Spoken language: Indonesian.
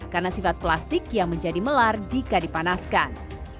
karena sifat plastik yang menjadi melar jika dipanaskan